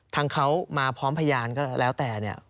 ทางเขามาพร้อมพยานก็แล้วแต่เนี่ย